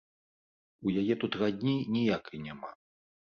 У яе тут радні ніякай няма.